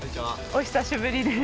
お久しぶりです